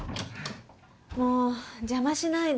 もう邪魔しないで。